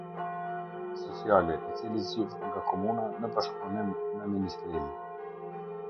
Sociale, i cili zgjidhet nga komuna, në bashkëpunim me Ministrinë.